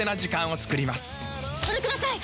それください！